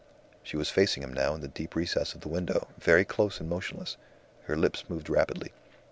She was facing him now in the deep recess of the window, very close and motionless. Her lips moved rapidly.